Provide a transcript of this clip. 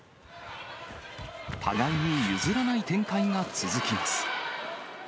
互いに譲らない展開が続きます。